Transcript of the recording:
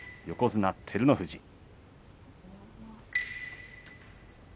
横綱照ノ富士。